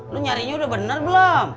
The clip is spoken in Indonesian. lo nyarinya udah bener belum